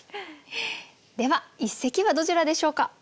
では一席はどちらでしょうか？